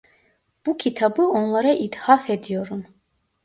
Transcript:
Bu kitabı onlara ithaf ediyorum.